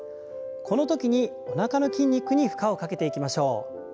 このときにおなかの筋肉に負荷をかけていきましょう。